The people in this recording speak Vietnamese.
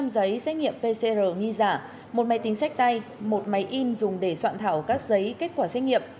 bốn mươi năm giấy xét nghiệm pcr nghi giả một máy tính xét tay một máy in dùng để soạn thảo các giấy kết quả xét nghiệm